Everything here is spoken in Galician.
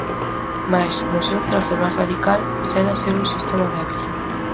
Mais, no seu trazo máis radical, segue a ser un sistema "débil".